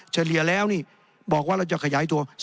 เฉลี่ยแล้วนี่บอกว่าเราจะขยายตัว